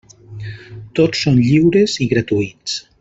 Tots són lliures i gratuïts.